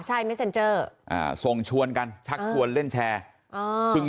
ใช่ไม่เซ็นเจอร์อ่าส่งชวนกันชักชวนเล่นแชร์ซึ่ง